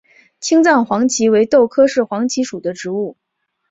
青藏黄耆为豆科黄芪属的植物。